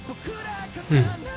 うん。